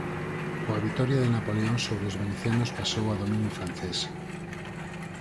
Coa vitoria de Napoleón sobre os venecianos pasou a dominio francés.